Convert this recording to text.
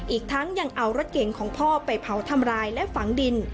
อีกทั้งยังเอารถเก๋งของพ่อไปเผาทำร้ายและฝังดิน